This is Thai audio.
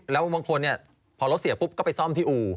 แล้วบางคนพอรถเสียปุ๊บก็ไปซ่อมที่อู่